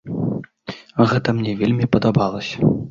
Гэта мне вельмі падабалася.